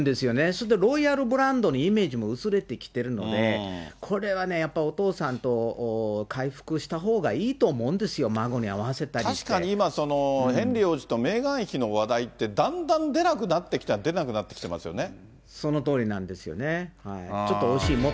それでロイヤルブランドのイメージも薄れてきているので、これはね、やっぱりお父さんと回復したほうがいいと思うんですよ、確かに今、ヘンリー王子とメーガン妃の話題って、だんだん出なくなってきたといえば、出なくなってきてますよね。